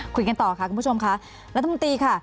คุยกันต่อค่ะคุณผู้ชมค่ะรัฐมนตรีค่ะ